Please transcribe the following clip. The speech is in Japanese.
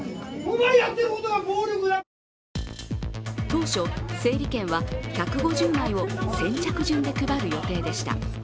当初、整理券は１５０枚を先着順で配る予定でした。